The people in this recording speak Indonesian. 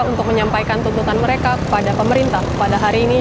untuk menyampaikan tuntutan mereka kepada pemerintah pada hari ini